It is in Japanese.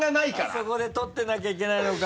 そこで取ってなきゃいけないのか。